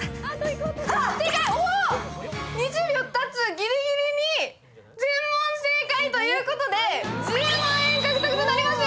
ギリギリ１０問正解ということで、１０万円獲得となります！